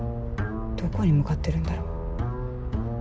どこに向かってるんだろう。